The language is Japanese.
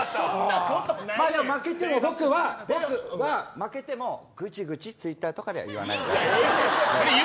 負けても僕はぐちぐちツイッターとかで言わない。